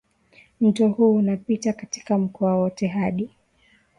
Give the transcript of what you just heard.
Mto huu unapita katika mkoa wote hadi